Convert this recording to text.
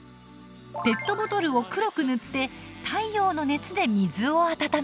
ペットボトルを黒く塗って太陽の熱で水を温めます。